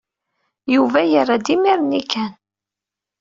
Yuba yerra-d imir-nni kan.